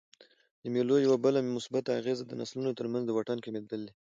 د مېلو یوه بله مثبته اغېزه د نسلونو ترمنځ د واټن کمېدل دي.